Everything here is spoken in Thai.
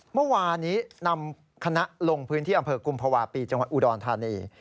เมื่อวานนี้นำคณะลงพื้นที่อำเภอกุมภาวะปีจังหวัดอุดรธานี